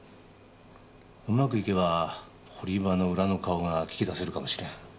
うまくいけば堀場の裏の顔が聞き出せるかもしれん。